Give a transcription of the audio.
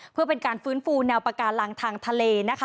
เพื่อเป็นการฟื้นฟูแนวปากาลังทางทะเลนะคะ